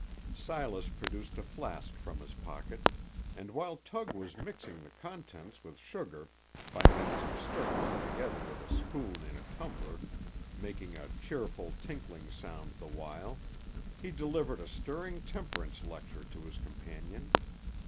Silas produced a flask from his pocket, and while Tug was mixing the contents with sugar, by means of stirring them together with a spoon in a tumbler, making a cheerful, tinkling sound the while, he delivered a stirring temperance lecture to his companion.